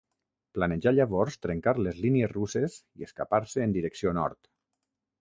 Planejà llavors trencar les línies russes i escapar-se en direcció nord.